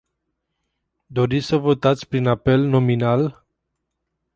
Doriți să votați prin apel nominal?